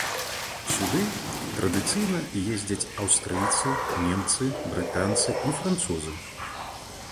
Сюды традыцыйна ездзяць аўстрыйцы, немцы, брытанцы і французы.